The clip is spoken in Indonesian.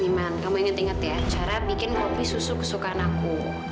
kamu inget inget ya cara bikin kopi susu kesukaan aku